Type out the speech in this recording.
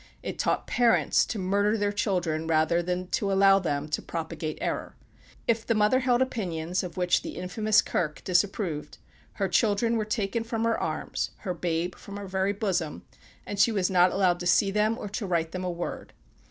It taught parents to murder their children rather than to allow them to propagate error. If the mother held opinions of which the infamous "Kirk" disapproved, her children were taken from her arms, her babe from her very bosom, and she was not allowed to see them, or to write them a word.